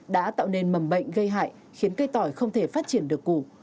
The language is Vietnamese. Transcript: đã tạo nên mầm bệnh gây hại khiến cây tỏi không thể phát triển được củ